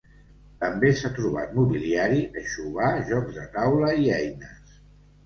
També s'ha trobat mobiliari, aixovar, jocs de taula i eines.